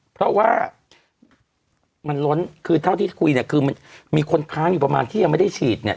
เพราะว่ามันล้นคือเท่าที่คุยเนี่ยคือมันมีคนค้างอยู่ประมาณที่ยังไม่ได้ฉีดเนี่ย